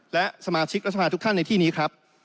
และสมาชิกราชภาคทุกขั้นในที่นี้ครับ